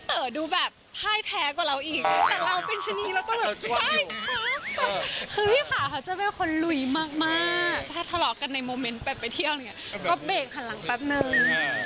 ถ้าทะเลากันในโมเมนต์แบบไปเที่ยวอะไรแบบนี้ก็เบคหันหลังแป๊บนึง